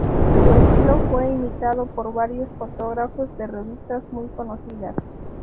Su estilo fue imitado por varios fotógrafos de revistas muy conocidas.